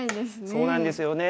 そうなんですよね。